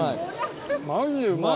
マジでうまい。